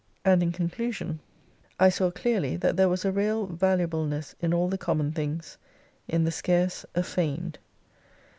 And in conclusion, I saw clearly, 200 that there was a real valuableness !n all the common things ; in the scarce, a feigned.